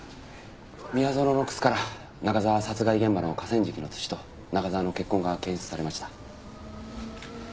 宮園の靴から中沢殺害現場の河川敷の土と中沢の血痕が検出されました。